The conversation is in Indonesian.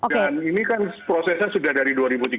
dan ini kan prosesnya sudah dari dua ribu tiga belas